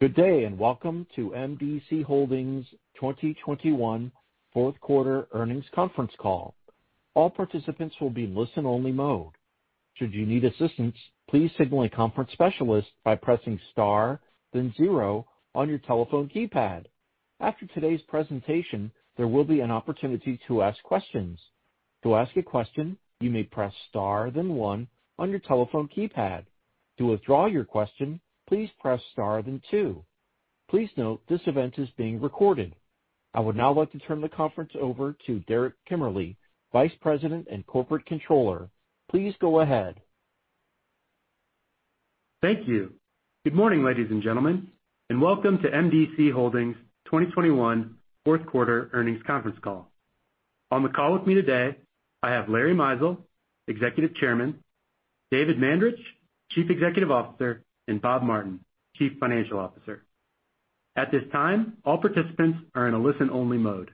Good day, and welcome to M.D.C. Holdings 2021 fourth quarter earnings conference call. All participants will be in listen-only mode. Should you need assistance, please signal a conference specialist by pressing star then zero on your telephone keypad. After today's presentation, there will be an opportunity to ask questions. To ask a question, you may press star then one on your telephone keypad. To withdraw your question, please press star then two. Please note this event is being recorded. I would now like to turn the conference over to Derek Kimmerle, Vice President and Corporate Controller. Please go ahead. Thank you. Good morning, ladies and gentlemen, and welcome to MDC Holdings' 2021 fourth quarter earnings conference call. On the call with me today, I have Larry Mizel, Executive Chairman, David Mandarich, Chief Executive Officer, and Bob Martin, Chief Financial Officer. At this time, all participants are in a listen-only mode.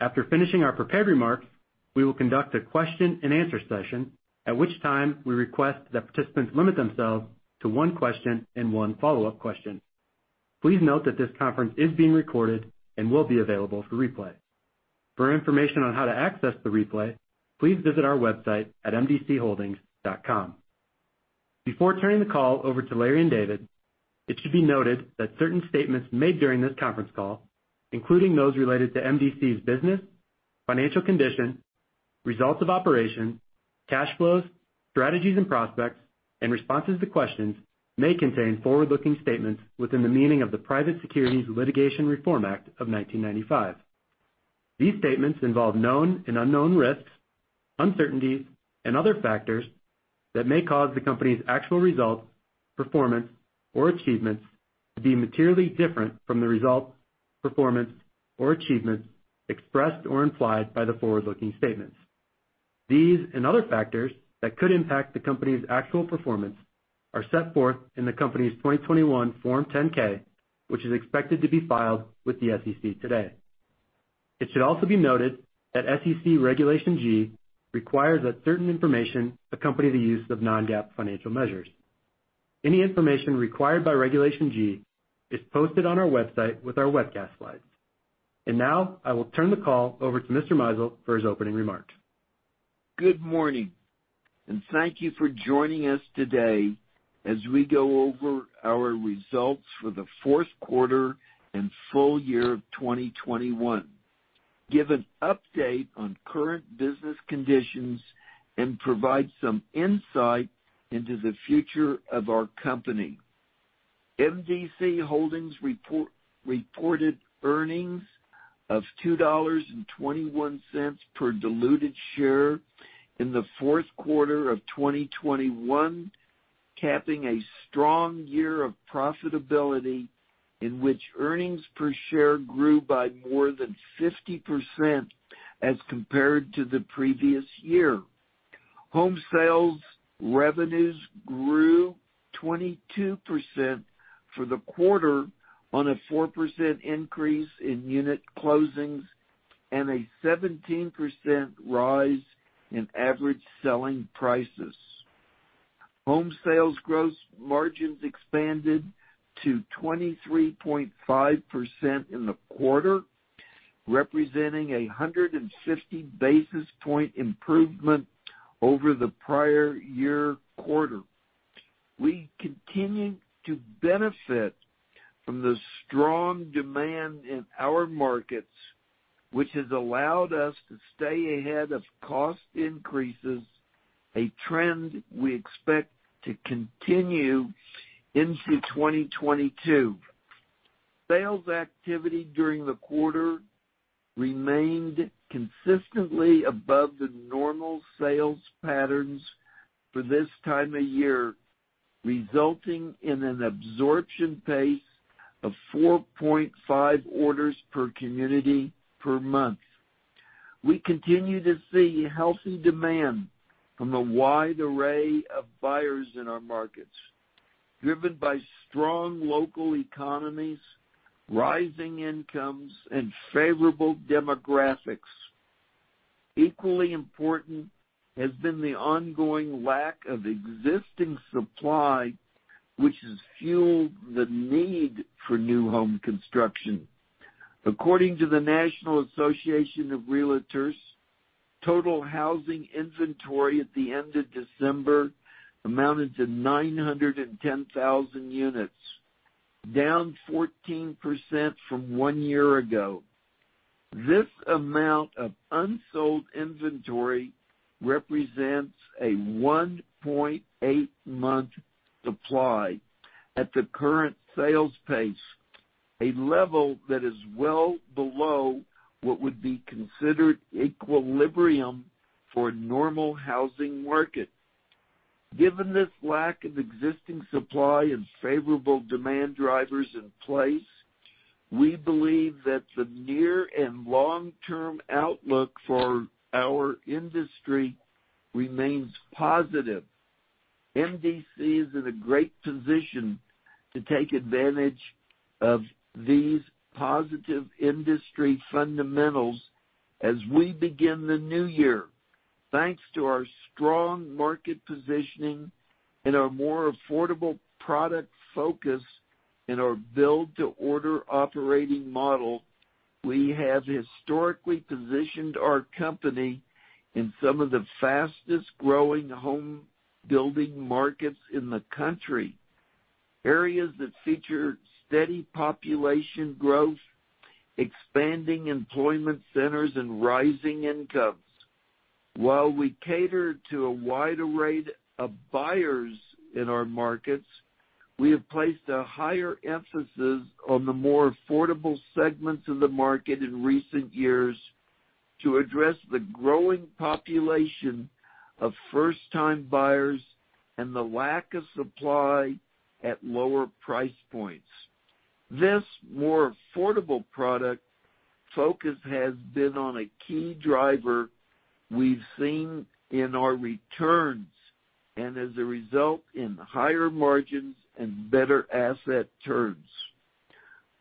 After finishing our prepared remarks, we will conduct a question-and-answer session, at which time we request that participants limit themselves to one question and one follow-up question. Please note that this conference is being recorded and will be available for replay. For information on how to access the replay, please visit our website at mdcholdings.com. Before turning the call over to Larry and David, it should be noted that certain statements made during this conference call, including those related to MDC's business, financial condition, results of operations, cash flows, strategies and prospects, and responses to questions, may contain forward-looking statements within the meaning of the Private Securities Litigation Reform Act of 1995. These statements involve known and unknown risks, uncertainties, and other factors that may cause the company's actual results, performance, or achievements to be materially different from the results, performance, or achievements expressed or implied by the forward-looking statements. These and other factors that could impact the company's actual performance are set forth in the company's 2021 Form 10-K, which is expected to be filed with the SEC today. It should also be noted that SEC Regulation G requires that certain information accompany the use of non-GAAP financial measures. Any information required by Regulation G is posted on our website with our webcast slides. Now I will turn the call over to Mr. Mizel for his opening remarks. Good morning, and thank you for joining us today as we go over our results for the fourth quarter and full year of 2021, give an update on current business conditions, and provide some insight into the future of our company. MDC Holdings reported earnings of $2.21 per diluted share in the fourth quarter of 2021, capping a strong year of profitability in which earnings per share grew by more than 50% as compared to the previous year. Home sales revenues grew 22% for the quarter on a 4% increase in unit closings and a 17% rise in average selling prices. Home sales gross margins expanded to 23.5% in the quarter, representing a 150 basis point improvement over the prior year quarter. We continue to benefit from the strong demand in our markets, which has allowed us to stay ahead of cost increases, a trend we expect to continue into 2022. Sales activity during the quarter remained consistently above the normal sales patterns for this time of year, resulting in an absorption pace of 4.5 orders per community per month. We continue to see healthy demand from a wide array of buyers in our markets, driven by strong local economies, rising incomes, and favorable demographics. Equally important has been the ongoing lack of existing supply, which has fueled the need for new home construction. According to the National Association of REALTORS, total housing inventory at the end of December amounted to 910,000 units, down 14% from one year ago. This amount of unsold inventory represents a 1.8-month supply at the current sales pace, a level that is well below what would be considered equilibrium for a normal housing market. Given this lack of existing supply and favorable demand drivers in place, we believe that the near and long-term outlook for our industry remains positive. MDC is in a great position to take advantage of these positive industry fundamentals as we begin the new year. Thanks to our strong market positioning and our more affordable product focus and our build-to-order operating model, we have historically positioned our company in some of the fastest-growing home building markets in the country, areas that feature steady population growth, expanding employment centers, and rising incomes. While we cater to a wide array of buyers in our markets, we have placed a higher emphasis on the more affordable segments of the market in recent years to address the growing population of first-time buyers and the lack of supply at lower price points. This more affordable product focus has been a key driver we've seen in our returns, and as a result, in higher margins and better asset turns.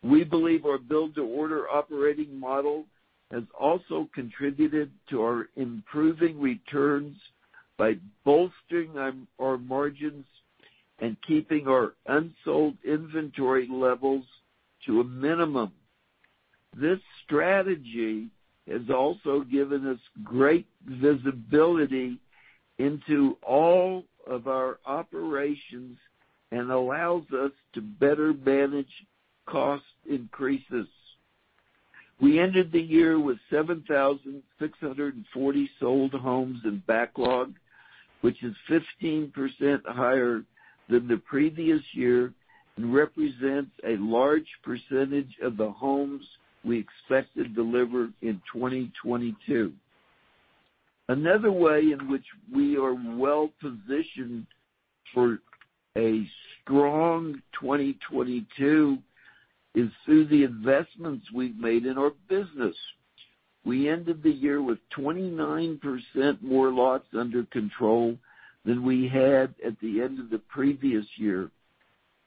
We believe our build-to-order operating model has also contributed to our improving returns by bolstering our margins and keeping our unsold inventory levels to a minimum. This strategy has also given us great visibility into all of our operations and allows us to better manage cost increases. We ended the year with 7,600 sold homes in backlog, which is 15% higher than the previous year and represents a large percentage of the homes we expect to deliver in 2022. Another way in which we are well-positioned for a strong 2022 is through the investments we've made in our business. We ended the year with 29% more lots under control than we had at the end of the previous year,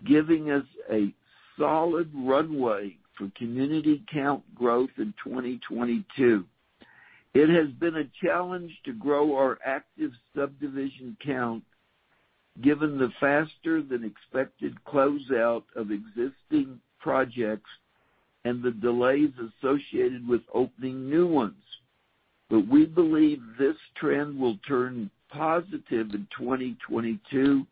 giving us a solid runway for community count growth in 2022. It has been a challenge to grow our active subdivision count given the faster-than-expected closeout of existing projects and the delays associated with opening new ones. We believe this trend will turn positive in 2022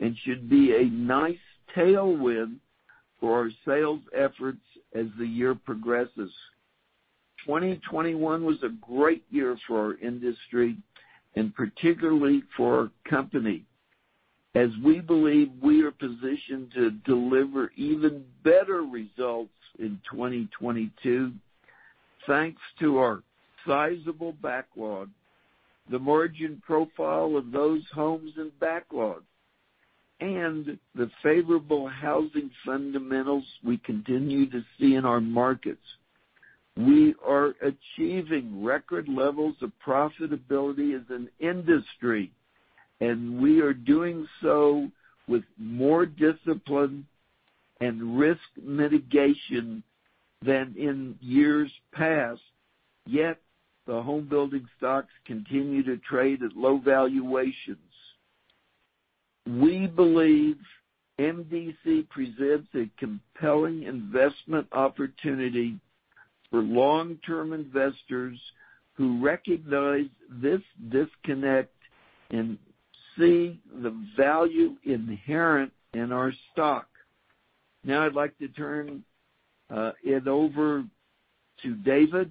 and should be a nice tailwind for our sales efforts as the year progresses. 2021 was a great year for our industry, and particularly for our company, as we believe we are positioned to deliver even better results in 2022, thanks to our sizable backlog, the margin profile of those homes in backlog, and the favorable housing fundamentals we continue to see in our markets. We are achieving record levels of profitability as an industry, and we are doing so with more discipline and risk mitigation than in years past. Yet the home building stocks continue to trade at low valuations. We believe MDC presents a compelling investment opportunity for long-term investors who recognize this disconnect and see the value inherent in our stock. Now I'd like to turn it over to David,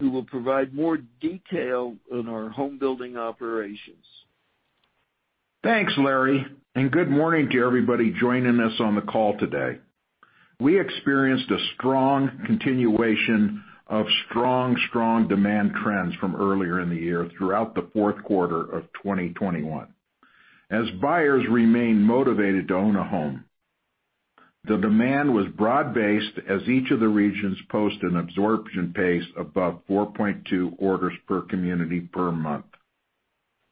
who will provide more detail on our home building operations. Thanks, Larry, and good morning to everybody joining us on the call today. We experienced a strong continuation of strong demand trends from earlier in the year throughout the fourth quarter of 2021. As buyers remained motivated to own a home, the demand was broad-based as each of the regions posted an absorption pace above 4.2 orders per community per month.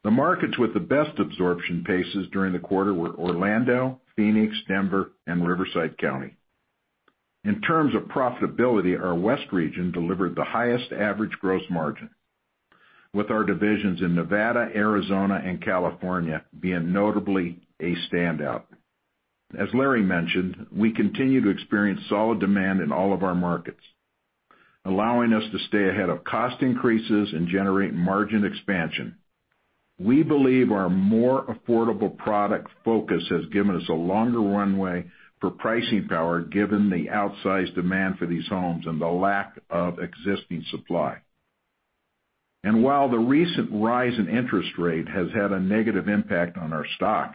The markets with the best absorption paces during the quarter were Orlando, Phoenix, Denver, and Riverside County. In terms of profitability, our West region delivered the highest average gross margin, with our divisions in Nevada, Arizona, and California being notably a standout. As Larry mentioned, we continue to experience solid demand in all of our markets, allowing us to stay ahead of cost increases and generate margin expansion. We believe our more affordable product focus has given us a longer runway for pricing power, given the outsized demand for these homes and the lack of existing supply. While the recent rise in interest rate has had a negative impact on our stock,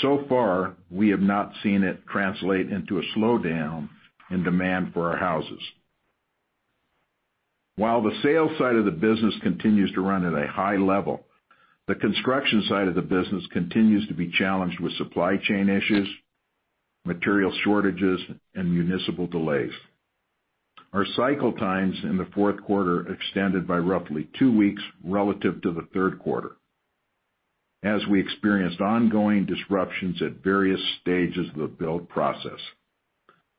so far, we have not seen it translate into a slowdown in demand for our houses. While the sales side of the business continues to run at a high level, the construction side of the business continues to be challenged with supply chain issues, material shortages, and municipal delays. Our cycle times in the fourth quarter extended by roughly two weeks relative to the third quarter. As we experienced ongoing disruptions at various stages of the build process.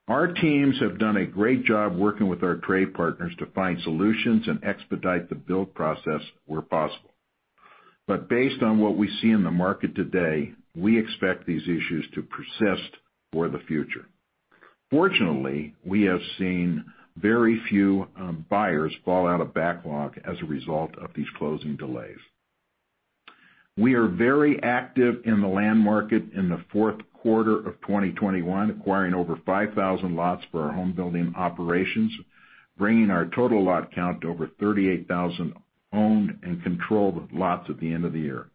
Our teams have done a great job working with our trade partners to find solutions and expedite the build process where possible. Based on what we see in the market today, we expect these issues to persist for the future. Fortunately, we have seen very few buyers fall out of backlog as a result of these closing delays. We are very active in the land market in the fourth quarter of 2021, acquiring over 5,000 lots for our home building operations, bringing our total lot count to over 38,000 owned and controlled lots at the end of the year.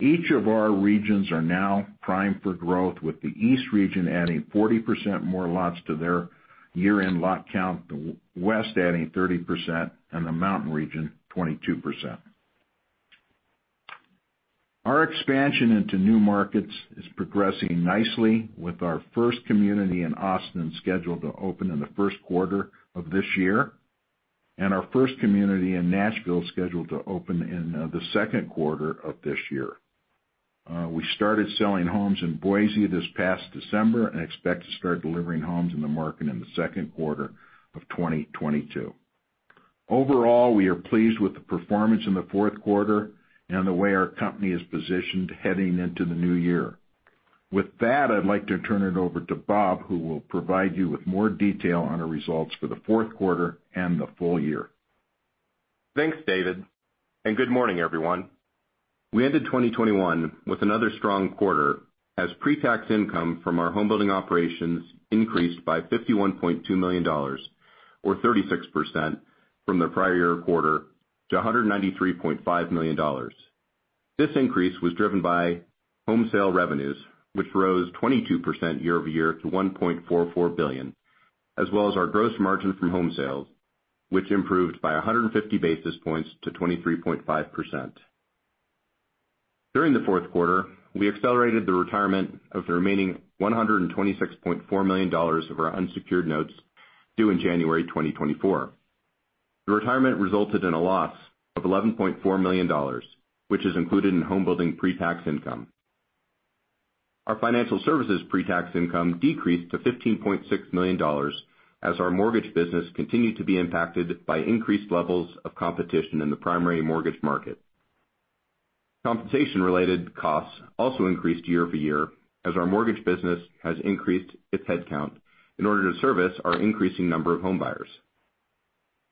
Each of our regions are now primed for growth, with the East region adding 40% more lots to their year-end lot count, the West adding 30% and the Mountain region, 22%. Our expansion into new markets is progressing nicely with our first community in Austin scheduled to open in the first quarter of this year, and our first community in Nashville scheduled to open in the second quarter of this year. We started selling homes in Boise this past December and expect to start delivering homes in the market in the second quarter of 2022. Overall, we are pleased with the performance in the fourth quarter and the way our company is positioned heading into the new year. With that, I'd like to turn it over to Bob, who will provide you with more detail on our results for the fourth quarter and the full year. Thanks, David, and good morning, everyone. We ended 2021 with another strong quarter as pre-tax income from our home building operations increased by $51.2 million or 36% from the prior year quarter to $193.5 million. This increase was driven by home sale revenues, which rose 22% year-over-year to $1.44 billion, as well as our gross margin from home sales, which improved by 150 basis points to 23.5%. During the fourth quarter, we accelerated the retirement of the remaining $126.4 million of our unsecured notes due in January 2024. The retirement resulted in a loss of $11.4 million, which is included in home building pre-tax income. Our financial services pre-tax income decreased to $15.6 million as our mortgage business continued to be impacted by increased levels of competition in the primary mortgage market. Compensation-related costs also increased year over year as our mortgage business has increased its headcount in order to service our increasing number of home buyers.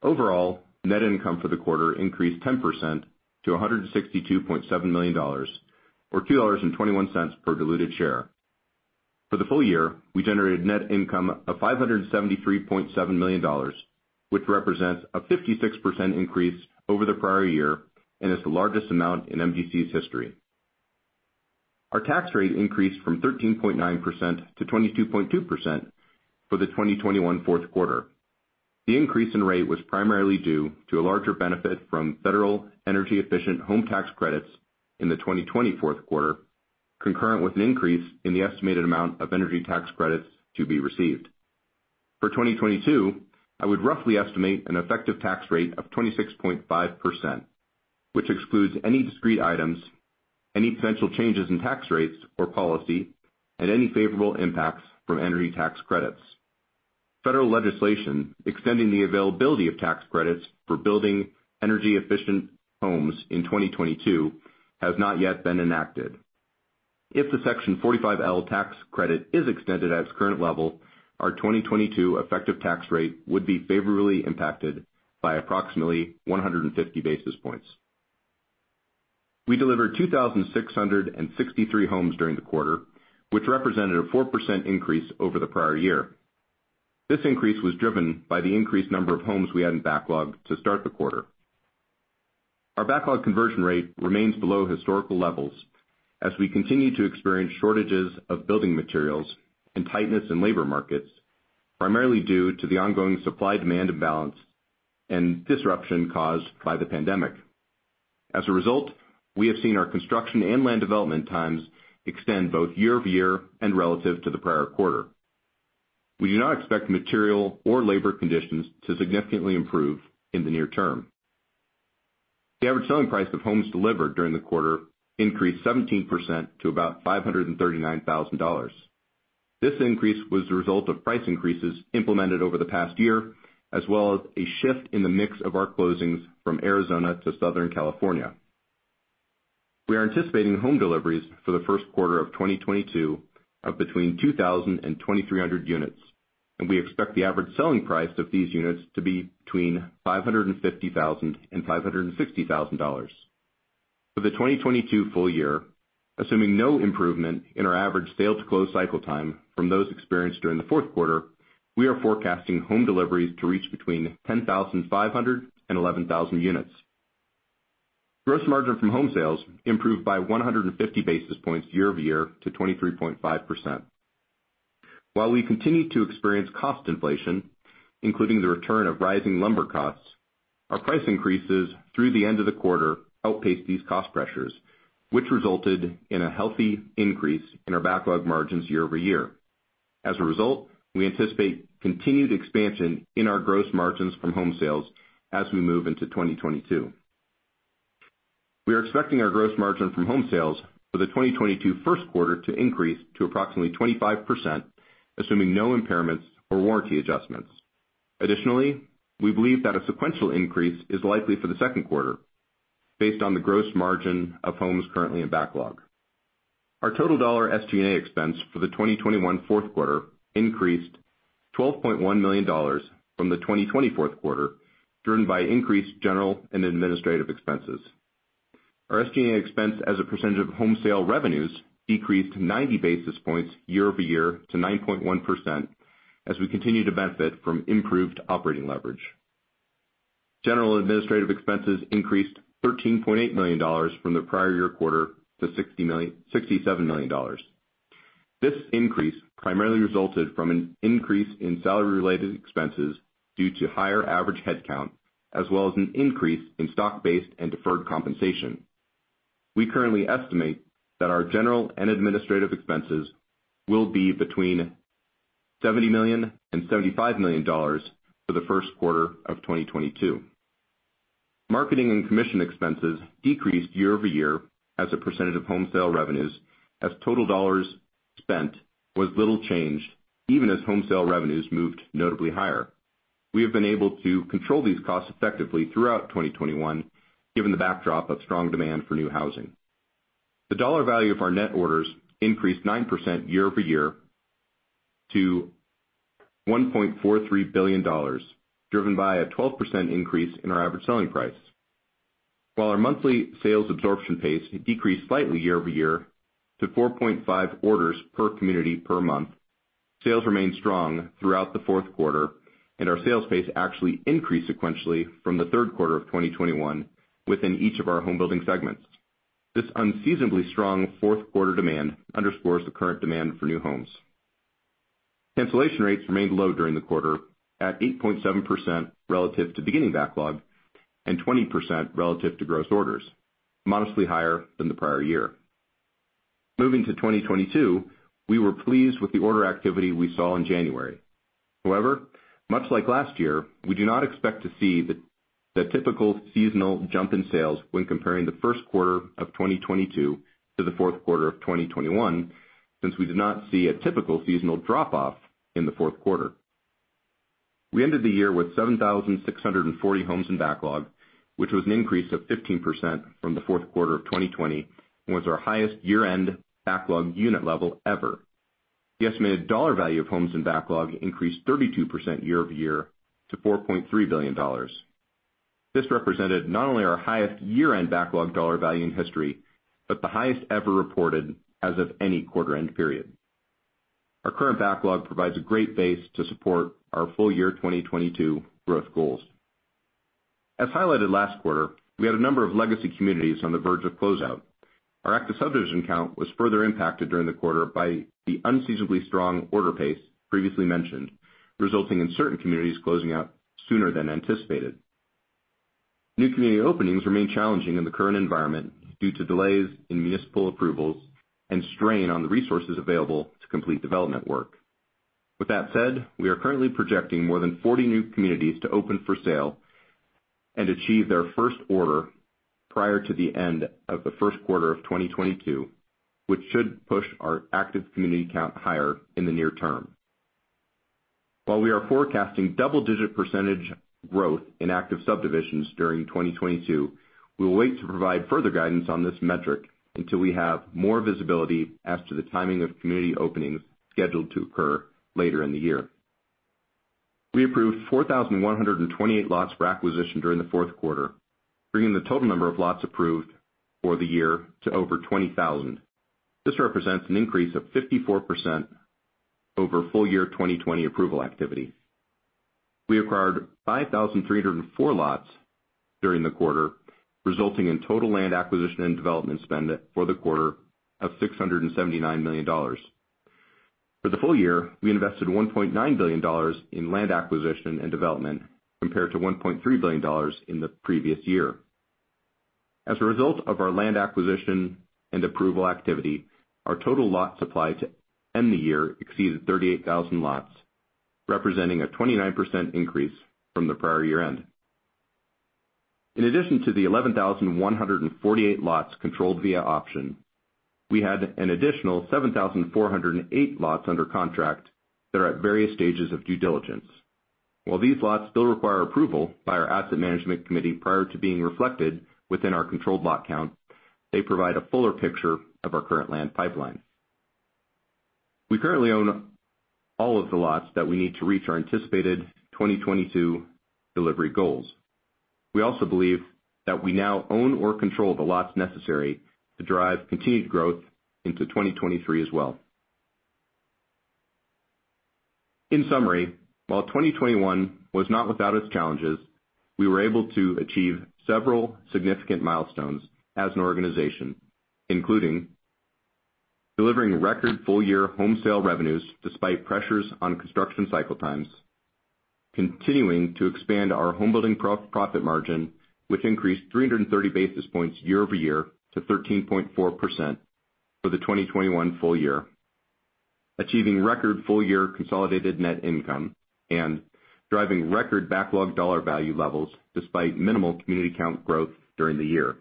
Overall, net income for the quarter increased 10% to $162.7 million or $2.21 per diluted share. For the full year, we generated net income of $573.7 million, which represents a 56% increase over the prior year and is the largest amount in MDC's history. Our tax rate increased from 13.9% to 22.2% for the 2021 fourth quarter. The increase in rate was primarily due to a larger benefit from federal energy-efficient home tax credits in the 2024 fourth quarter, concurrent with an increase in the estimated amount of energy tax credits to be received. For 2022, I would roughly estimate an effective tax rate of 26.5%, which excludes any discrete items, any potential changes in tax rates or policy, and any favorable impacts from energy tax credits. Federal legislation extending the availability of tax credits for building energy-efficient homes in 2022 has not yet been enacted. If the Section 45L tax credit is extended at its current level, our 2022 effective tax rate would be favorably impacted by approximately 150 basis points. We delivered 2,663 homes during the quarter, which represented a 4% increase over the prior year. This increase was driven by the increased number of homes we had in backlog to start the quarter. Our backlog conversion rate remains below historical levels as we continue to experience shortages of building materials and tightness in labor markets, primarily due to the ongoing supply-demand imbalance and disruption caused by the pandemic. As a result, we have seen our construction and land development times extend both year over year and relative to the prior quarter. We do not expect material or labor conditions to significantly improve in the near term. The average selling price of homes delivered during the quarter increased 17% to about $539,000. This increase was the result of price increases implemented over the past year, as well as a shift in the mix of our closings from Arizona to Southern California. We are anticipating home deliveries for the first quarter of 2022 of between 2,000 and 2,300 units, and we expect the average selling price of these units to be between $550,000 and $560,000. For the 2022 full year, assuming no improvement in our average sale-to-close cycle time from those experienced during the fourth quarter, we are forecasting home deliveries to reach between 10,500 and 11,000 units. Gross margin from home sales improved by 150 basis points year-over-year to 23.5%. While we continue to experience cost inflation, including the return of rising lumber costs, our price increases through the end of the quarter outpaced these cost pressures, which resulted in a healthy increase in our backlog margins year over year. As a result, we anticipate continued expansion in our gross margins from home sales as we move into 2022. We are expecting our gross margin from home sales for the 2022 first quarter to increase to approximately 25%, assuming no impairments or warranty adjustments. Additionally, we believe that a sequential increase is likely for the second quarter based on the gross margin of homes currently in backlog. Our total dollar SG&A expense for the 2021 fourth quarter increased $12.1 million from the 2020 fourth quarter, driven by increased general and administrative expenses. Our SG&A expense as a percentage of home sale revenues decreased 90 basis points year-over-year to 9.1% as we continue to benefit from improved operating leverage. General and administrative expenses increased $13.8 million from the prior year quarter to $60 million-$67 million. This increase primarily resulted from an increase in salary-related expenses due to higher average headcount, as well as an increase in stock-based and deferred compensation. We currently estimate that our general and administrative expenses will be between $70 million and $75 million for the first quarter of 2022. Marketing and commission expenses decreased year-over-year as a percentage of home sale revenues, as total dollars spent was little changed even as home sale revenues moved notably higher. We have been able to control these costs effectively throughout 2021 given the backdrop of strong demand for new housing. The dollar value of our net orders increased 9% year-over-year to $1.43 billion, driven by a 12% increase in our average selling price. While our monthly sales absorption pace decreased slightly year-over-year to 4.5 orders per community per month, sales remained strong throughout the fourth quarter, and our sales pace actually increased sequentially from the third quarter of 2021 within each of our home building segments. This unseasonably strong fourth quarter demand underscores the current demand for new homes. Cancellation rates remained low during the quarter at 8.7% relative to beginning backlog and 20% relative to gross orders, modestly higher than the prior year. Moving to 2022, we were pleased with the order activity we saw in January. However, much like last year, we do not expect to see the typical seasonal jump in sales when comparing the first quarter of 2022 to the fourth quarter of 2021, since we did not see a typical seasonal drop-off in the fourth quarter. We ended the year with 7,640 homes in backlog, which was an increase of 15% from the fourth quarter of 2020 and was our highest year-end backlog unit level ever. The estimated dollar value of homes in backlog increased 32% year-over-year to $4.3 billion. This represented not only our highest year-end backlog dollar value in history, but the highest ever reported as of any quarter-end period. Our current backlog provides a great base to support our full year 2022 growth goals. As highlighted last quarter, we had a number of legacy communities on the verge of closeout. Our active subdivision count was further impacted during the quarter by the unseasonably strong order pace previously mentioned, resulting in certain communities closing out sooner than anticipated. New community openings remain challenging in the current environment due to delays in municipal approvals and strain on the resources available to complete development work. With that said, we are currently projecting more than 40 new communities to open for sale and achieve their first order prior to the end of the first quarter of 2022, which should push our active community count higher in the near term. While we are forecasting double-digit percentage growth in active subdivisions during 2022, we will wait to provide further guidance on this metric until we have more visibility as to the timing of community openings scheduled to occur later in the year. We approved 4,128 lots for acquisition during the fourth quarter, bringing the total number of lots approved for the year to over 20,000. This represents an increase of 54% over full year 2020 approval activity. We acquired 5,304 lots during the quarter, resulting in total land acquisition and development spend for the quarter of $679 million. For the full year, we invested $1.9 billion in land acquisition and development compared to $1.3 billion in the previous year. As a result of our land acquisition and approval activity, our total lot supply to end the year exceeded 38,000 lots, representing a 29% increase from the prior year end. In addition to the 11,148 lots controlled via option, we had an additional 7,408 lots under contract that are at various stages of due diligence. While these lots still require approval by our asset management committee prior to being reflected within our controlled lot count, they provide a fuller picture of our current land pipeline. We currently own all of the lots that we need to reach our anticipated 2022 delivery goals. We also believe that we now own or control the lots necessary to drive continued growth into 2023 as well. In summary, while 2021 was not without its challenges, we were able to achieve several significant milestones as an organization, including delivering record full-year home sales revenues despite pressures on construction cycle times. Continuing to expand our homebuilding profit margin, which increased 330 basis points year-over-year to 13.4% for the 2021 full year. Achieving record full-year consolidated net income and driving record backlog dollar value levels despite minimal community count growth during the year.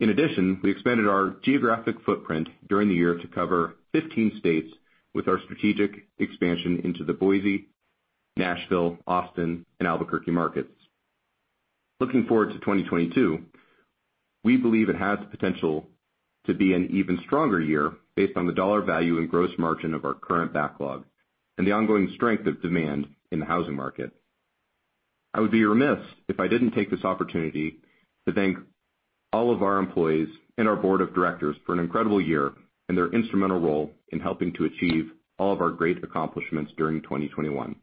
In addition, we expanded our geographic footprint during the year to cover 15 states with our strategic expansion into the Boise, Nashville, Austin and Albuquerque markets. Looking forward to 2022, we believe it has the potential to be an even stronger year based on the dollar value and gross margin of our current backlog and the ongoing strength of demand in the housing market. I would be remiss if I didn't take this opportunity to thank all of our employees and our board of directors for an incredible year and their instrumental role in helping to achieve all of our great accomplishments during 2021.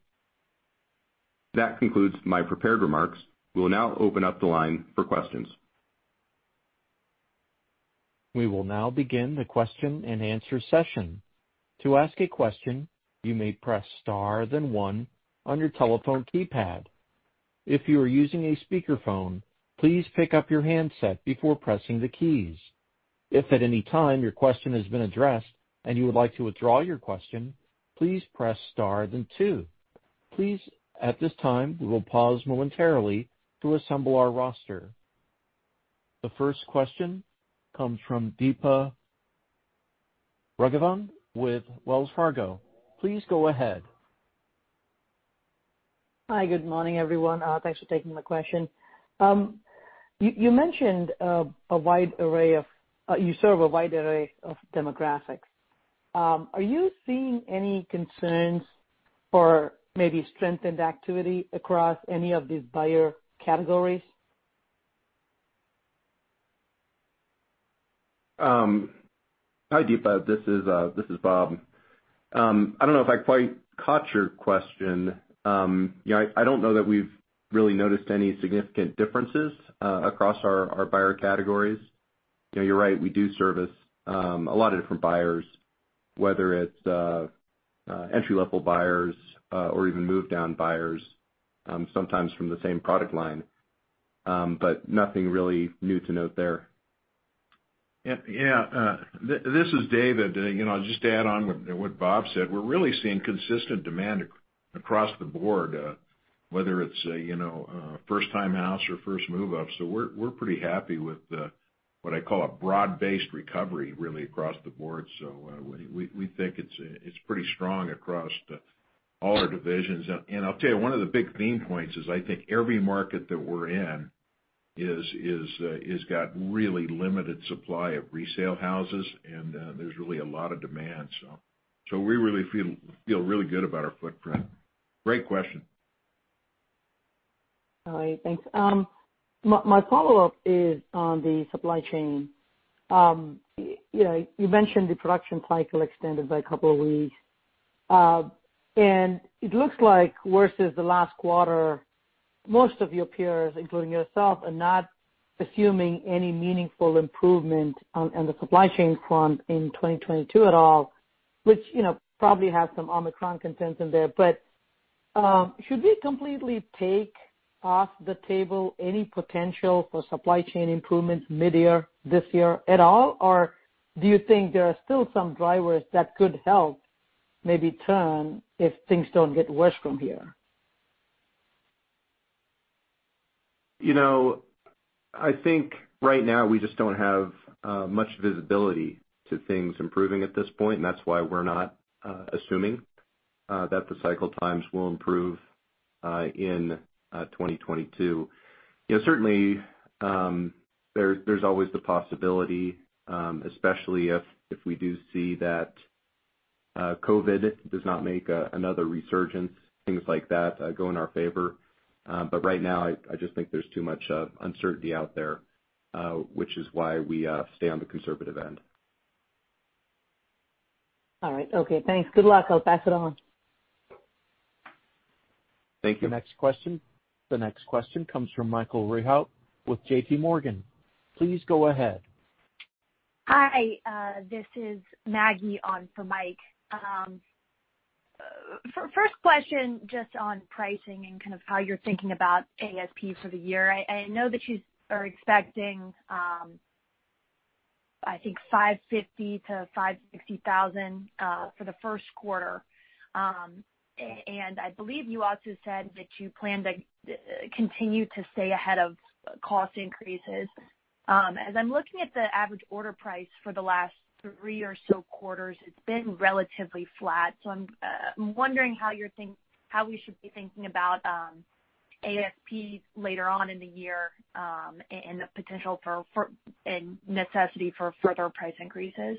That concludes my prepared remarks. We will now open up the line for questions. We will now begin the question-and-answer session. To ask a question, you may press star, then one on your telephone keypad. If you are using a speakerphone, please pick up your handset before pressing the keys. If at any time your question has been addressed and you would like to withdraw your question, please press star, then two. Please, at this time, we will pause momentarily to assemble our roster. The first question comes from Deepa Raghavan with Wells Fargo. Please go ahead. Hi, good morning, everyone. Thanks for taking my question. You mentioned a wide array of demographics you serve. Are you seeing any concerns or maybe strengthened activity across any of these buyer categories? Hi, Deepa. This is Bob. I don't know if I quite caught your question. You know, I don't know that we've really noticed any significant differences across our buyer categories. You know, you're right, we do serve a lot of different buyers, whether it's entry-level buyers or even move down buyers, sometimes from the same product line. But nothing really new to note there. This is David. You know, just to add on what Bob said, we're really seeing consistent demand across the board, whether it's a you know a first-time house or first move up. We're pretty happy with what I call a broad-based recovery really across the board. We think it's pretty strong across all our divisions. I'll tell you, one of the big pain points is I think every market that we're in is has got really limited supply of resale houses, and there's really a lot of demand. We really feel really good about our footprint. Great question. All right. Thanks. My follow-up is on the supply chain. You know, you mentioned the production cycle extended by a couple of weeks. It looks like versus the last quarter, most of your peers, including yourself, are not assuming any meaningful improvement on the supply chain front in 2022 at all, which, you know, probably has some Omicron concerns in there. Should we completely take off the table any potential for supply chain improvements midyear this year at all? Or do you think there are still some drivers that could help maybe turn if things don't get worse from here? You know, I think right now we just don't have much visibility to things improving at this point, and that's why we're not assuming that the cycle times will improve in 2022. You know, certainly, there's always the possibility, especially if we do see that COVID does not make another resurgence, things like that go in our favor. Right now, I just think there's too much uncertainty out there, which is why we stay on the conservative end. All right. Okay, thanks. Good luck. I'll pass it on. Thank you. The next question comes from Michael Rehaut with JPMorgan. Please go ahead. Hi. This is Maggie on for Mike. For first question, just on pricing and kind of how you're thinking about ASP for the year. I know that you are expecting, I think $550,000-$560,000 for the first quarter. And I believe you also said that you plan to continue to stay ahead of cost increases. As I'm looking at the average order price for the last three or so quarters, it's been relatively flat. I'm wondering how we should be thinking about ASP later on in the year and the potential for and necessity for further price increases.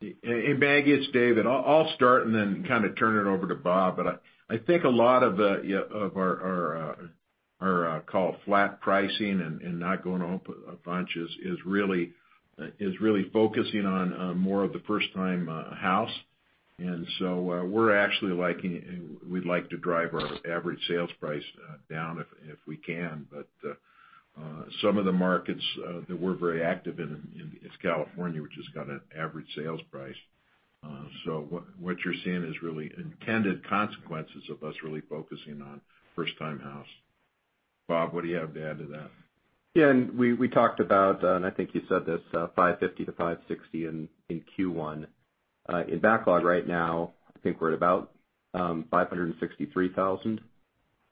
Hey, Maggie, it's David Mandarich. I'll start and then kind of turn it over to Bob Martin. I think a lot of our call it flat pricing and not going up a bunch is really focusing on more of the first-time house. We're actually liking it, and we'd like to drive our average sales price down if we can. Some of the markets that we're very active in is California, which has got an average sales price. What you're seeing is really intended consequences of us really focusing on first-time house. Bob, what do you have to add to that? Yeah, we talked about. I think you said this $550,000-$560,000 in Q1. In backlog right now, I think we're at about $563,000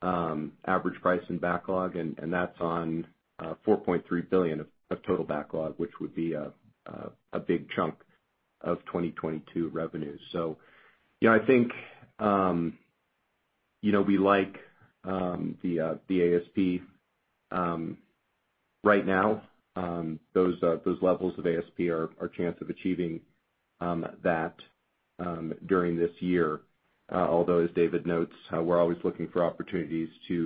average price in backlog, and that's on $4.3 billion of total backlog, which would be a big chunk of 2022 revenues. You know, I think you know we like the ASP. Right now, those levels of ASP are our chance of achieving that during this year, although, as David notes, we're always looking for opportunities to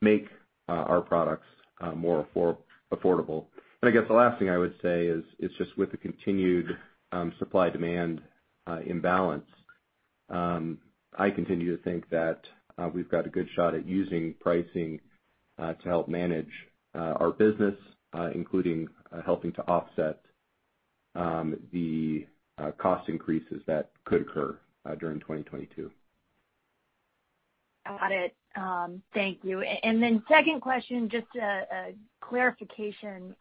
make our products more affordable. I guess the last thing I would say is just with the continued supply-demand imbalance, I continue to think that we've got a good shot at using pricing to help manage our business, including helping to offset the cost increases that could occur during 2022. Got it. Thank you. Then second question, just a clarification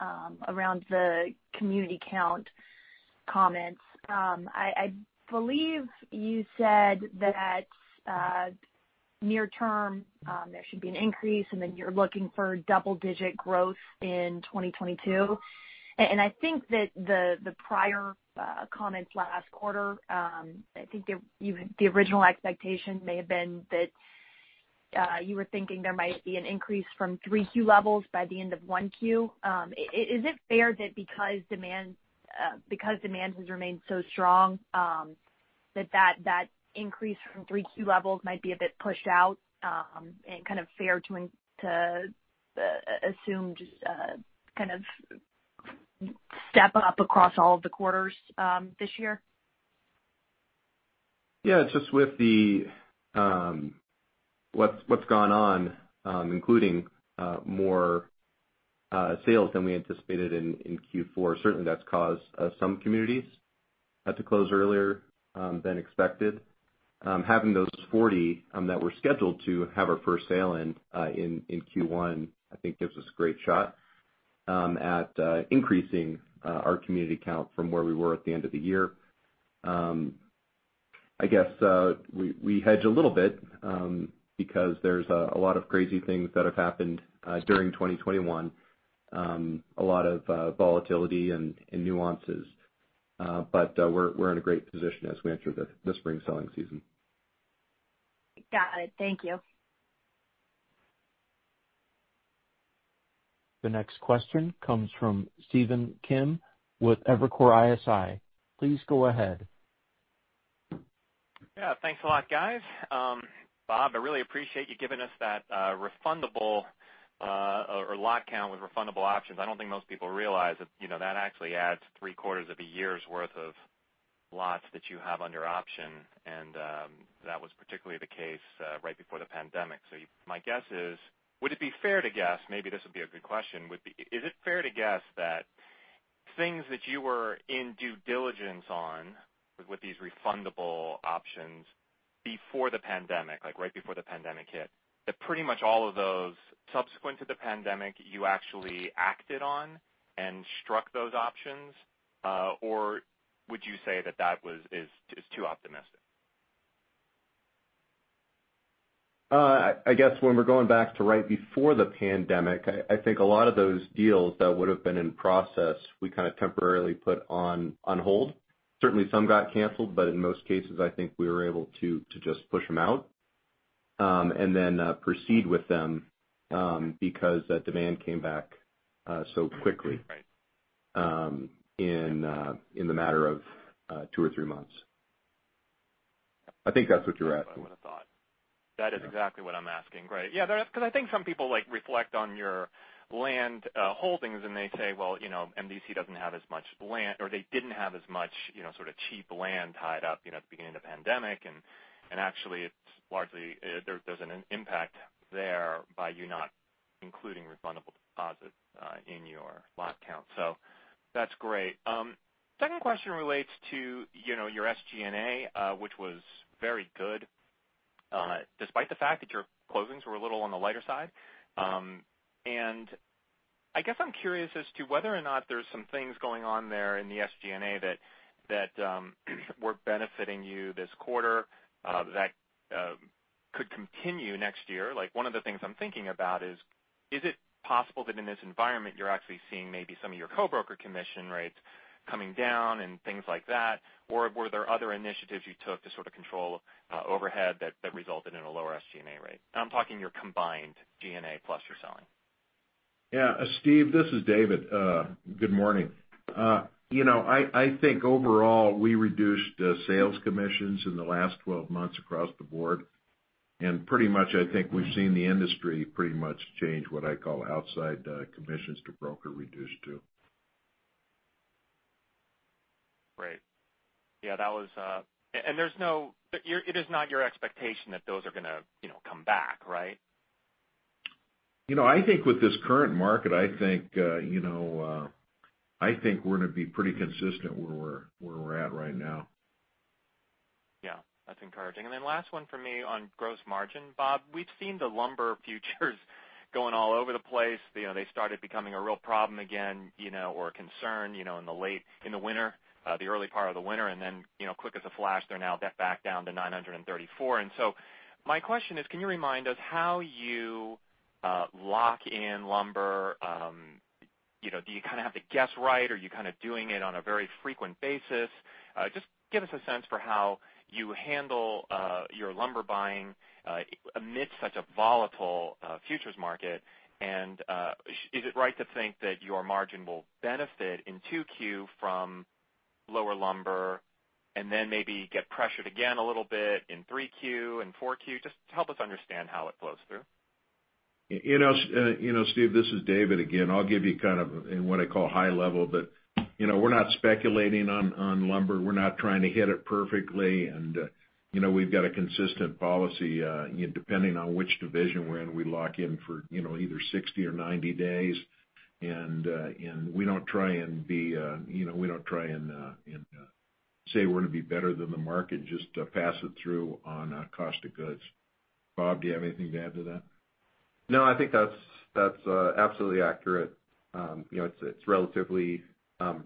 around the community count comments. I believe you said that, near term, there should be an increase, and then you're looking for double-digit growth in 2022. I think that the prior comments last quarter, the original expectation may have been that, you were thinking there might be an increase from 3Q levels by the end of 1Q. Is it fair that because demand has remained so strong, that increase from 3Q levels might be a bit pushed out, and kind of fair to assume just a kind of step up across all of the quarters this year? Yeah, just with the, what's gone on, including more sales than we anticipated in Q4, certainly that's caused some communities to close earlier than expected. Having those 40 that were scheduled to have our first sale in Q1, I think gives us a great shot at increasing our community count from where we were at the end of the year. I guess we hedge a little bit because there's a lot of crazy things that have happened during 2021, a lot of volatility and nuances. We're in a great position as we enter the spring selling season. Got it. Thank you. The next question comes from Stephen Kim with Evercore ISI. Please go ahead. Yeah. Thanks a lot, guys. Bob, I really appreciate you giving us that refundable or lot count with refundable options. I don't think most people realize that, you know, that actually adds three quarters of a year's worth of lots that you have under option. That was particularly the case right before the pandemic. My guess is, would it be fair to guess, maybe this would be a good question, would be is it fair to guess that things that you were in due diligence on with these refundable options before the pandemic, like right before the pandemic hit, that pretty much all of those subsequent to the pandemic, you actually acted on and struck those options? Or would you say that that was too optimistic? I guess when we're going back to right before the pandemic, I think a lot of those deals that would have been in process, we kind of temporarily put on hold. Certainly, some got canceled, but in most cases, I think we were able to just push them out and then proceed with them because that demand came back so quickly. Right... in the matter of two or three months. I think that's what you're asking. That's what I would've thought. That is exactly what I'm asking. Great. Yeah, that's 'cause I think some people, like, reflect on your land holdings, and they say, well, you know, MDC doesn't have as much land or they didn't have as much, you know, sort of cheap land tied up, you know, at the beginning of the pandemic. Actually it's largely there's an impact there by you not including refundable deposits in your lot count. So that's great. Second question relates to, you know, your SG&A, which was very good, despite the fact that your closings were a little on the lighter side. I guess I'm curious as to whether or not there's some things going on there in the SG&A that were benefiting you this quarter, that could continue next year. Like, one of the things I'm thinking about is it possible that in this environment, you're actually seeing maybe some of your co-broker commission rates coming down and things like that? Or were there other initiatives you took to sort of control overhead that resulted in a lower SG&A rate? I'm talking your combined G&A plus your selling. Yeah. Steve, this is David. Good morning. You know, I think overall, we reduced sales commissions in the last 12 months across the board. Pretty much, I think we've seen the industry pretty much change what I call outside commissions to broker reduced too. Right. Yeah, that was. It is not your expectation that those are gonna, you know, come back, right? You know, I think with this current market, I think, you know, I think we're gonna be pretty consistent where we're at right now. Yeah, that's encouraging. Last one for me on gross margin, Bob, we've seen the lumber futures going all over the place. You know, they started becoming a real problem again, you know, or a concern, you know, in the winter, the early part of the winter, and then, you know, quick as a flash, they're now back down to $934. My question is, can you remind us how you lock in lumber? You know, do you kind of have to guess right? Are you kind of doing it on a very frequent basis? Just give us a sense for how you handle your lumber buying amid such a volatile futures market. Is it right to think that your margin will benefit in 2Q from lower lumber and then maybe get pressured again a little bit in 3Q and 4Q? Just help us understand how it flows through. You know, Steve, this is David again. I'll give you kind of in what I call high level, but you know, we're not speculating on lumber. We're not trying to hit it perfectly. You know, we've got a consistent policy depending on which division we're in, we lock in for you know, either 60 or 90 days. We don't try and say we're gonna be better than the market, just pass it through on cost of goods. Bob, do you have anything to add to that? No, I think that's absolutely accurate. You know, it's relatively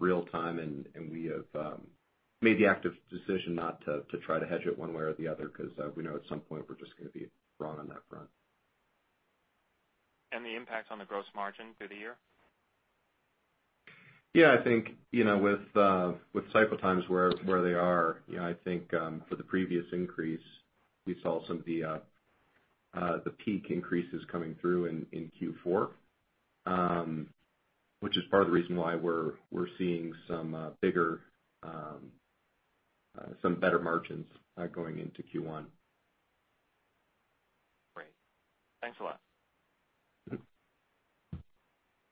real time, and we have made the active decision not to try to hedge it one way or the other because we know at some point we're just gonna be wrong on that front. The impact on the gross margin through the year? Yeah, I think, you know, with cycle times where they are, you know, I think for the previous increase, we saw some of the peak increases coming through in Q4, which is part of the reason why we're seeing some bigger, some better margins going into Q1. Great. Thanks a lot.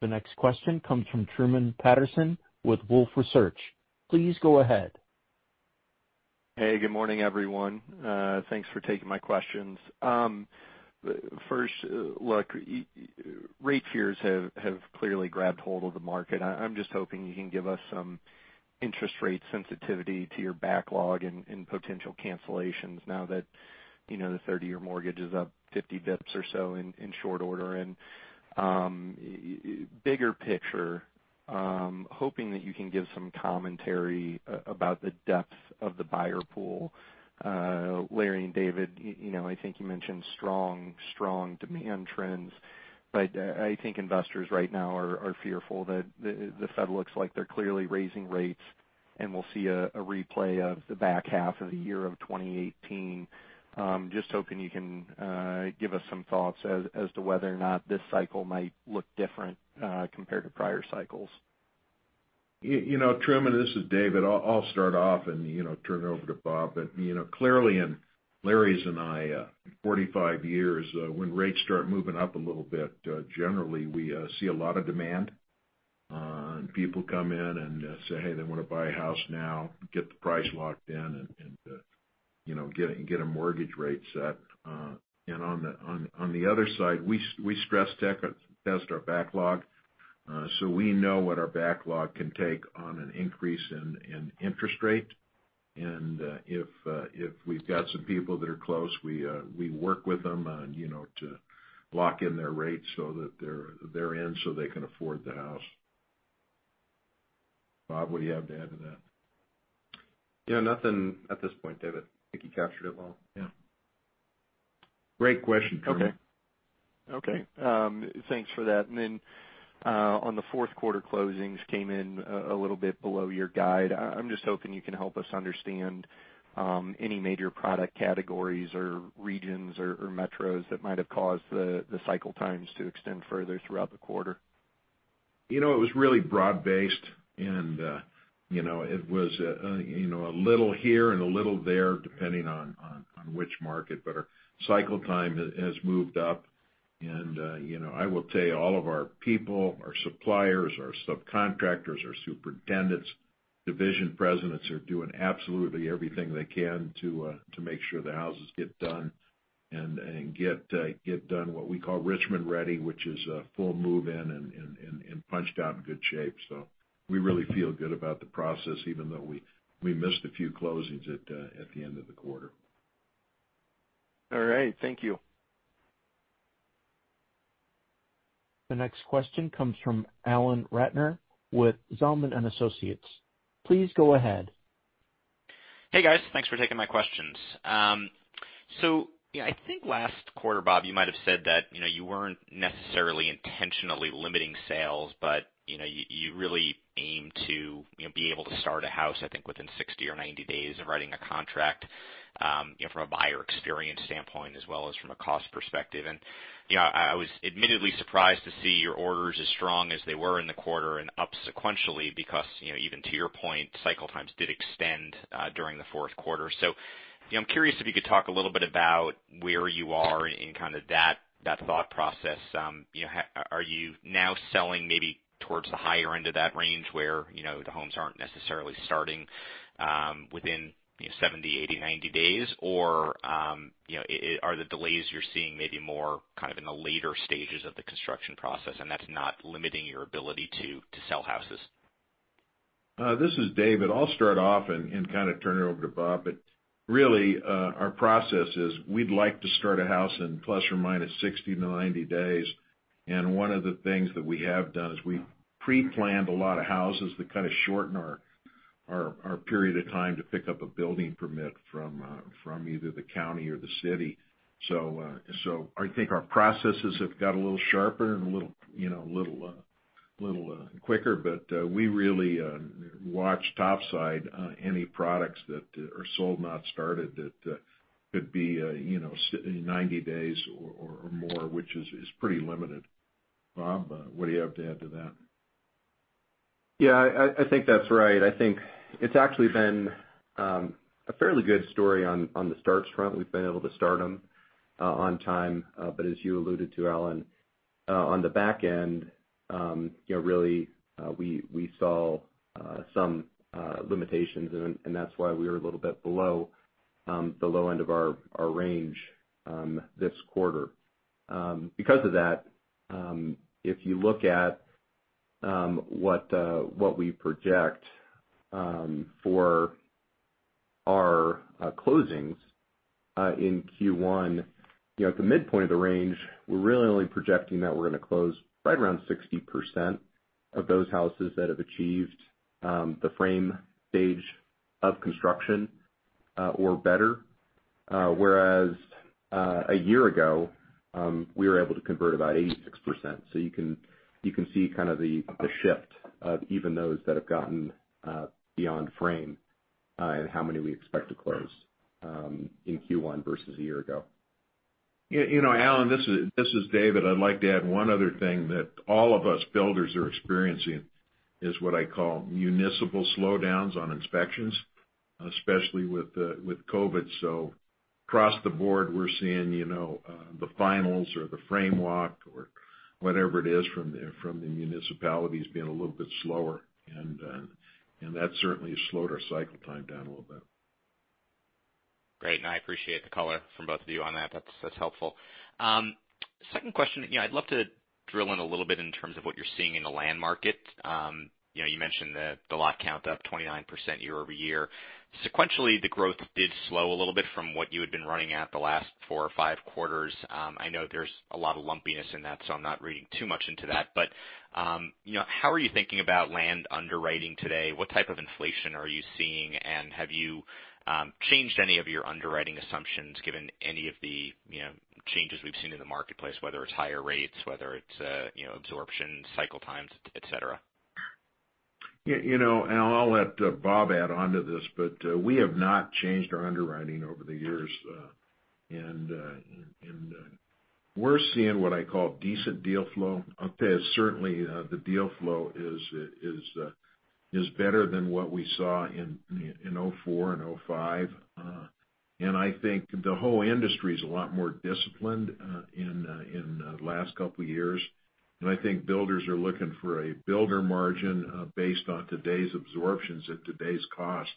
Mm-hmm. The next question comes from Truman Patterson with Wolfe Research. Please go ahead. Hey, good morning, everyone. Thanks for taking my questions. First, look, rate fears have clearly grabbed hold of the market. I'm just hoping you can give us some interest rate sensitivity to your backlog and potential cancellations now that, you know, the thirty-year mortgage is up 50 bps or so in short order. Bigger picture, hoping that you can give some commentary about the depth of the buyer pool. Larry and David, you know, I think you mentioned strong demand trends, but I think investors right now are fearful that the Fed looks like they're clearly raising rates, and we'll see a replay of the back half of the year of 2018. Just hoping you can give us some thoughts as to whether or not this cycle might look different, compared to prior cycles. You know, Truman, this is David. I'll start off and, you know, turn it over to Bob. You know, clearly in Larry's and my 45 years, when rates start moving up a little bit, generally we see a lot of demand. People come in and say, hey, they wanna buy a house now, get the price locked in and, you know, get a mortgage rate set. On the other side, we stress test our backlog, so we know what our backlog can take on an increase in interest rate. If we've got some people that are close, we work with them on, you know, to lock in their rates so that they're in so they can afford the house. Bob, what do you have to add to that? Yeah, nothing at this point, David. I think you captured it well. Yeah. Great question, Truman. Okay. Thanks for that. Then, on the fourth quarter closings came in a little bit below your guide. I'm just hoping you can help us understand any major product categories or regions or metros that might have caused the cycle times to extend further throughout the quarter. You know, it was really broad-based and you know, it was a little here and a little there depending on which market. Our cycle time has moved up. You know, I will tell you all of our people, our suppliers, our subcontractors, our superintendents, division presidents are doing absolutely everything they can to make sure the houses get done and get done what we call Richmond Ready, which is full move in and punched out in good shape. We really feel good about the process even though we missed a few closings at the end of the quarter. All right. Thank you. The next question comes from Alan Ratner with Zelman & Associates. Please go ahead. Hey, guys. Thanks for taking my questions. You know, I think last quarter, Bob, you might have said that, you know, you weren't necessarily intentionally limiting sales, but, you know, you really aim to, you know, be able to start a house, I think, within 60 or 90 days of writing a contract, you know, from a buyer experience standpoint as well as from a cost perspective. You know, I was admittedly surprised to see your orders as strong as they were in the quarter and up sequentially because, you know, even to your point, cycle times did extend during the fourth quarter. You know, I'm curious if you could talk a little bit about where you are in kind of that thought process. You know, are you now selling maybe towards the higher end of that range where, you know, the homes aren't necessarily starting within, you know, 70, 80, 90 days? Or, you know, are the delays you're seeing maybe more kind of in the later stages of the construction process, and that's not limiting your ability to sell houses? This is David. I'll start off and kind of turn it over to Bob. Really, our process is we'd like to start a house in plus or minus 60-90 days. One of the things that we have done is we pre-planned a lot of houses to kind of shorten our period of time to pick up a building permit from either the county or the city. I think our processes have got a little sharper and a little quicker. We really watch topside any products that are sold not started that could be, you know, sitting in 90 days or more, which is pretty limited. Bob, what do you have to add to that? Yeah, I think that's right. I think it's actually been a fairly good story on the starts front. We've been able to start them on time. As you alluded to, Alan, on the back end, you know, really, we saw some limitations and that's why we were a little bit below the low end of our range this quarter. Because of that, if you look at what we project for our closings in Q1, you know, at the midpoint of the range, we're really only projecting that we're gonna close right around 60% of those houses that have achieved the frame stage of construction or better. Whereas, a year ago, we were able to convert about 86%. You can see kind of the shift of even those that have gotten beyond frame and how many we expect to close in Q1 versus a year ago. You know, Alan, this is David. I'd like to add one other thing that all of us builders are experiencing is what I call municipal slowdowns on inspections, especially with COVID. So across the board, we're seeing, you know, the finals or the frame walk or whatever it is from the municipalities being a little bit slower. That certainly slowed our cycle time down a little bit. Great. I appreciate the color from both of you on that. That's helpful. Second question, you know, I'd love to drill in a little bit in terms of what you're seeing in the land market. You know, you mentioned the lot count up 29% year-over-year. Sequentially, the growth did slow a little bit from what you had been running at the last four or five quarters. I know there's a lot of lumpiness in that, so I'm not reading too much into that. But you know, how are you thinking about land underwriting today? What type of inflation are you seeing? And have you changed any of your underwriting assumptions given any of the, you know, changes we've seen in the marketplace, whether it's higher rates, whether it's, you know, absorption, cycle times, et cetera? You know, I'll let Bob add onto this, but we have not changed our underwriting over the years. We're seeing what I call decent deal flow. I'll tell you, certainly, the deal flow is better than what we saw in 2004 and 2005. I think the whole industry is a lot more disciplined in the last couple of years. I think builders are looking for a builder margin based on today's absorptions at today's cost.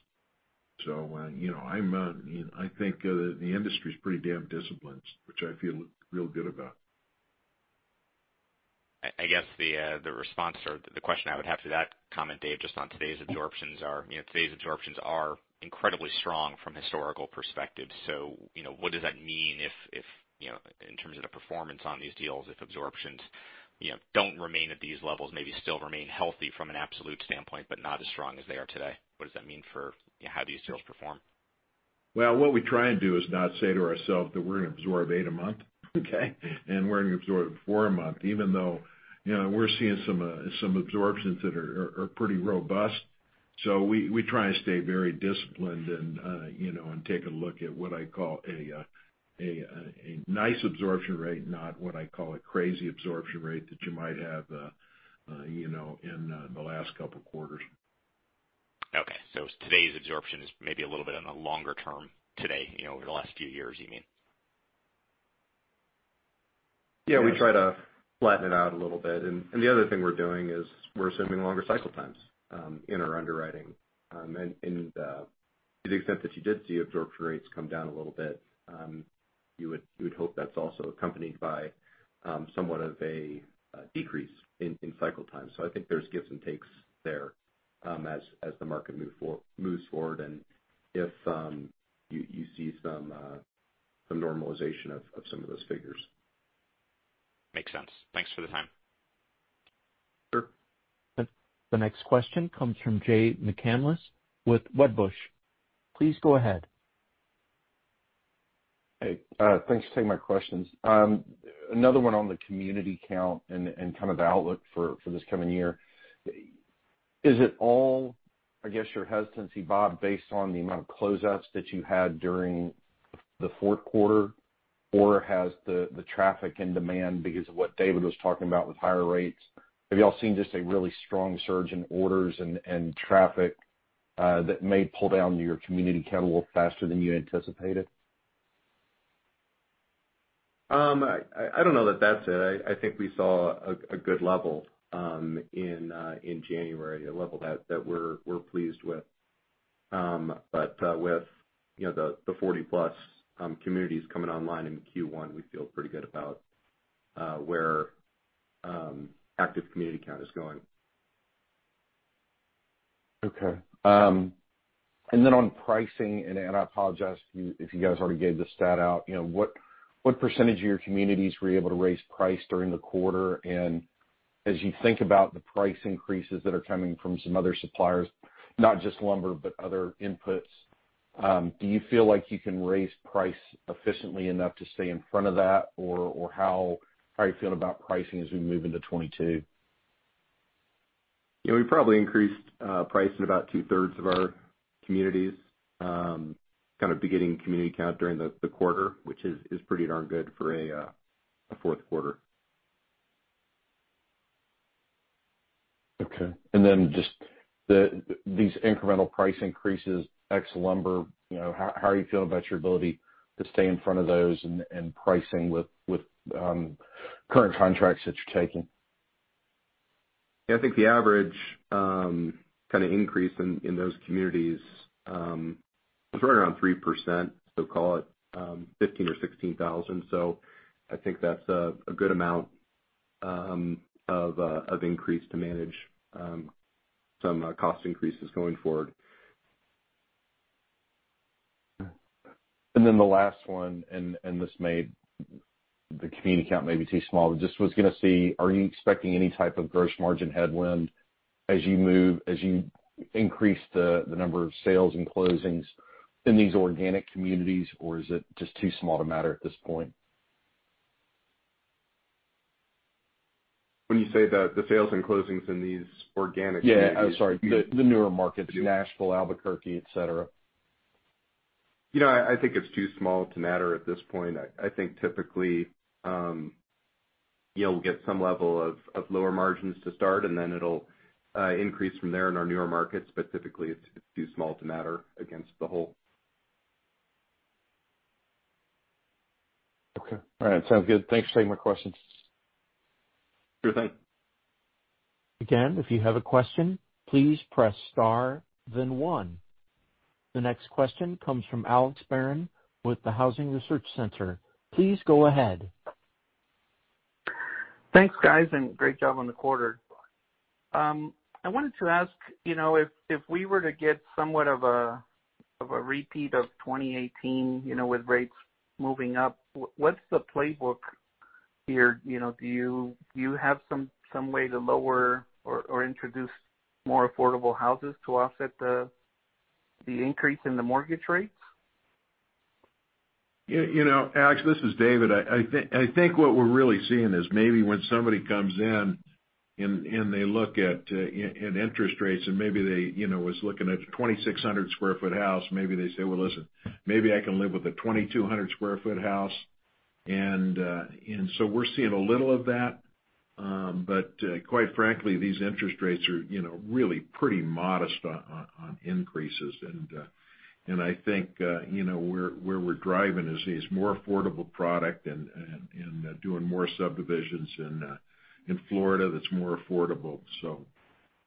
You know, I think the industry is pretty damn disciplined, which I feel real good about. I guess the response or the question I would have to that comment, Dave, just on today's absorptions are incredibly strong from historical perspective. You know, what does that mean if you know in terms of the performance on these deals, if absorptions you know don't remain at these levels, maybe still remain healthy from an absolute standpoint, but not as strong as they are today? What does that mean for you know how these deals perform? Well, what we try and do is not say to ourselves that we're gonna absorb 8 a month, okay? We're gonna absorb 4 a month, even though, you know, we're seeing some some absorptions that are pretty robust. We try to stay very disciplined and, you know, and take a look at what I call a nice absorption rate, not what I call a crazy absorption rate that you might have, you know, in the last couple of quarters. Okay. Today's absorption is maybe a little bit on the longer side today, you know, over the last few years, you mean? Yeah, we try to flatten it out a little bit. The other thing we're doing is we're assuming longer cycle times in our underwriting. To the extent that you did see absorption rates come down a little bit, you would hope that's also accompanied by somewhat of a decrease in cycle time. I think there's gives and takes there, as the market moves forward and if you see some normalization of some of those figures. Makes sense. Thanks for the time. Sure. The next question comes from Jay McCanless with Wedbush. Please go ahead. Hey, thanks for taking my questions. Another one on the community count and kind of the outlook for this coming year. Is it all, I guess, your hesitancy, Bob, based on the amount of closeouts that you had during the fourth quarter, or has the traffic and demand because of what David was talking about with higher rates? Have you all seen just a really strong surge in orders and traffic that may pull down your community count a little faster than you anticipated? I don't know that that's it. I think we saw a good level in January, a level that we're pleased with. With you know, the 40-plus communities coming online in Q1, we feel pretty good about where active community count is going. Okay. On pricing, and I apologize if you guys already gave this stat out. You know, what percentage of your communities were you able to raise price during the quarter? As you think about the price increases that are coming from some other suppliers, not just lumber, but other inputs, do you feel like you can raise price efficiently enough to stay in front of that? Or how are you feeling about pricing as we move into 2022? Yeah, we probably increased price in about two-thirds of our communities, kind of beginning community count during the quarter, which is pretty darn good for a fourth quarter. Okay. Just these incremental price increases, ex lumber, you know, how are you feeling about your ability to stay in front of those and pricing with current contracts that you're taking? Yeah, I think the average kinda increase in those communities was right around 3%. Call it $15,000 or $16,000. I think that's a good amount of increase to manage some cost increases going forward. Then the last one, and this may the community count may be too small. I was just gonna see, are you expecting any type of gross margin headwind as you move, as you increase the number of sales and closings in these organic communities, or is it just too small to matter at this point? When you say the sales and closings in these organic communities- Yeah. I'm sorry. The newer markets, Nashville, Albuquerque, et cetera. You know, I think it's too small to matter at this point. I think typically, you'll get some level of lower margins to start, and then it'll increase from there in our newer markets. Typically, it's too small to matter against the whole. Okay. All right. Sounds good. Thanks for taking my questions. Sure thing. Again, if you have a question, please press star then one. The next question comes from Alex Barron with the Housing Research Center. Please go ahead. Thanks, guys, and great job on the quarter. I wanted to ask, you know, if we were to get somewhat of a repeat of 2018, you know, with rates moving up, what's the playbook here? You know, do you have some way to lower or introduce more affordable houses to offset the increase in the mortgage rates? You know, Alex, this is David. I think what we're really seeing is maybe when somebody comes in and they look at interest rates and maybe they, you know, were looking at a 2,600 sq ft house, maybe they say, "Well, listen, maybe I can live with a 2,200 sq ft house." So we're seeing a little of that. Quite frankly, these interest rates are, you know, really pretty modest on increases. I think, you know, where we're driving is these more affordable products and doing more subdivisions in Florida that's more affordable.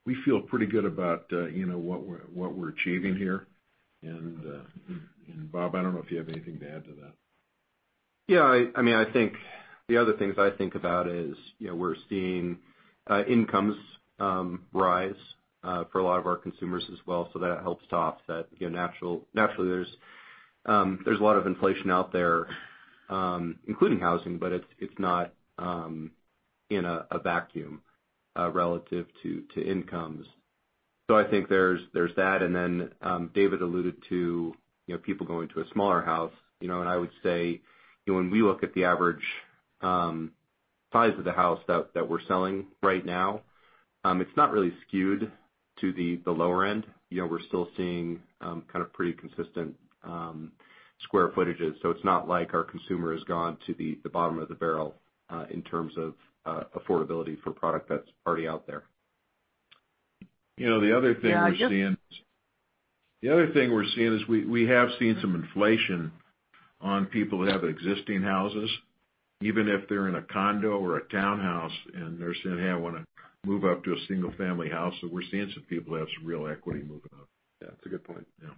We feel pretty good about, you know, what we're achieving here. Bob, I don't know if you have anything to add to that. Yeah, I mean, I think the other things I think about is, you know, we're seeing incomes rise for a lot of our consumers as well, so that helps to offset. You know, naturally, there's a lot of inflation out there, including housing, but it's not in a vacuum relative to incomes. I think there's that. David alluded to, you know, people going to a smaller house, you know. I would say, you know, when we look at the average size of the house that we're selling right now, it's not really skewed to the lower end. You know, we're still seeing kind of pretty consistent square footages. It's not like our consumer has gone to the bottom of the barrel in terms of affordability for product that's already out there. You know, the other thing we're seeing. Yeah, I just. The other thing we're seeing is we have seen some inflation on people that have existing houses, even if they're in a condo or a townhouse, and they're saying, "Hey, I wanna move up to a single-family house." We're seeing some people that have some real equity moving up. Yeah, that's a good point. Yeah.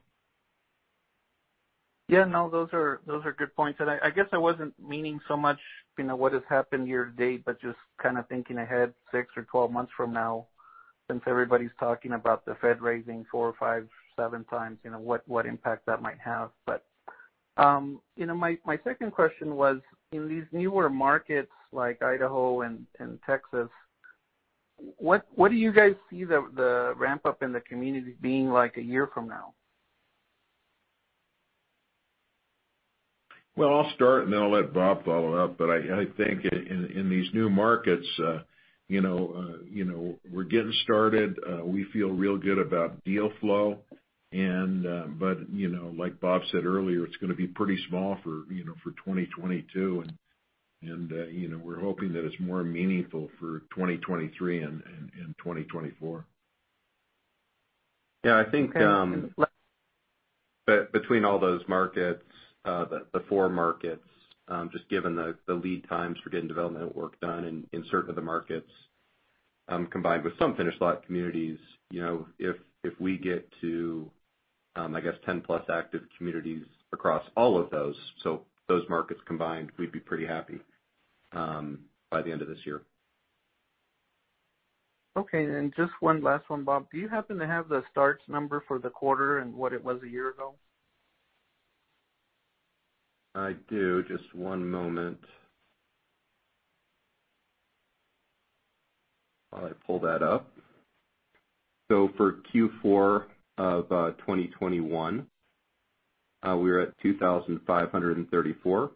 Yeah, no, those are good points. I guess I wasn't meaning so much, you know, what has happened year to date, but just kinda thinking ahead 6 or 12 months from now, since everybody's talking about the Fed raising 4 or 5, 7 times, you know, what impact that might have. You know, my second question was, in these newer markets like Idaho and Texas, what do you guys see the ramp-up in the communities being like a year from now? Well, I'll start, and then I'll let Bob follow up. I think in these new markets, you know, we're getting started. We feel real good about deal flow and, but, you know, like Bob said earlier, it's gonna be pretty small for, you know, for 2022. We're hoping that it's more meaningful for 2023 and 2024. Yeah, I think. Okay. Between all those markets, the four markets, just given the lead times for getting development work done in certain of the markets, combined with some finished lot communities, you know, if we get to, I guess 10+ active communities across all of those, so those markets combined, we'd be pretty happy by the end of this year. Okay, and just one last one, Bob. Do you happen to have the starts number for the quarter and what it was a year ago? I do. Just one moment while I pull that up. For Q4 of 2021, we were at 2,534.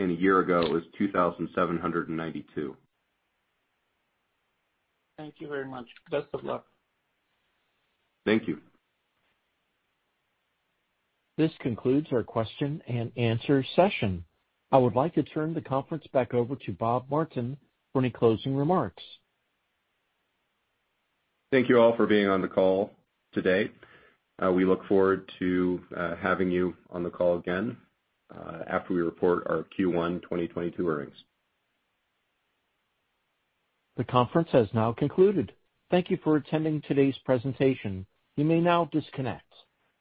A year ago, it was 2,792. Thank you very much. Best of luck. Thank you. This concludes our question and answer session. I would like to turn the conference back over to Bob Martin for any closing remarks. Thank you all for being on the call today. We look forward to having you on the call again after we report our Q1 2022 earnings. The conference has now concluded. Thank you for attending today's presentation. You may now disconnect.